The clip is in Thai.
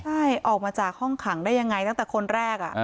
ใช่ออกมาจากห้องขังได้ยังไงตั้งแต่คนแรก